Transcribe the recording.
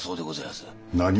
何？